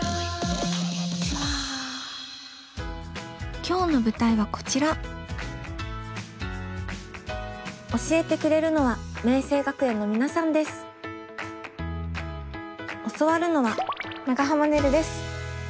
今日の舞台はこちら教えてくれるのは教わるのは長濱ねるです。